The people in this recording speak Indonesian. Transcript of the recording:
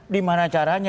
di mana caranya